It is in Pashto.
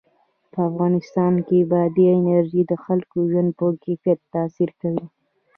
په افغانستان کې بادي انرژي د خلکو د ژوند په کیفیت تاثیر کوي.